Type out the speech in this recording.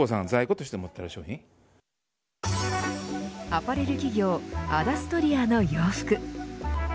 アパレル企業アダストリアの洋服。